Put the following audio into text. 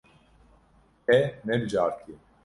Te nebijartiye.